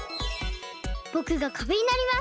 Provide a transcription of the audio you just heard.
ぼくがかべになります。